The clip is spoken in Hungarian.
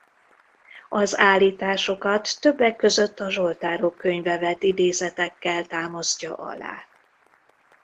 Az állításokat többek között a zsoltárok könyve vett idézetekkel támasztja alá.